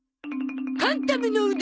カンタムの腕。